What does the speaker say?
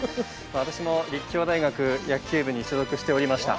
私も立教大学野球部に所属しておりました。